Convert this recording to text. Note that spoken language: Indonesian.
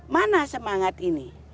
mana semangat ini